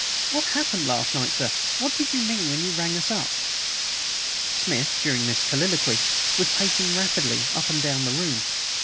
What happened last night, sir? What did you mean when you rang us up?" Smith during this colloquy was pacing rapidly up and down the room.